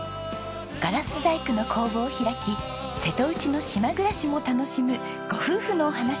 ガラス細工の工房を開き瀬戸内の島暮らしも楽しむご夫婦のお話。